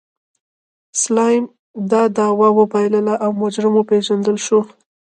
سلایم دا دعوه وبایلله او مجرم وپېژندل شو.